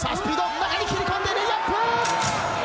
中に切り込んでレイアップ！